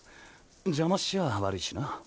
邪魔しちゃあ悪いしな。